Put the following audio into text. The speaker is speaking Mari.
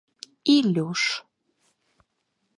Илюш.